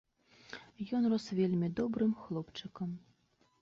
Ён рос вельмі добрым хлопчыкам.